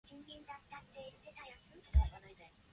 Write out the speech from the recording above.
They were awarded a couple of Emmys for their work on this segment.